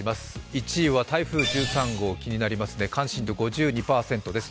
１位は台風１３号、気になりますね、関心度５２％です。